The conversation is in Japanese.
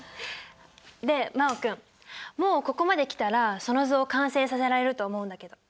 で真旺君もうここまできたらその図を完成させられると思うんだけど。